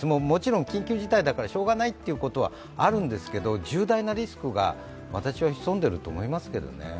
もちろん緊急事態からしようがないということはあるんですけれども、重大なリスクが潜んでいると思いますけどね。